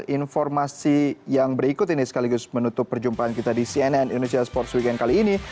informasi yang berikut ini sekaligus menutup perjumpaan kita di cnn indonesia sports weekend kali ini